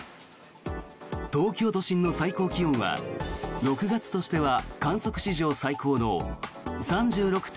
東京都心の最高気温は６月としては観測史上最高の３６．４度。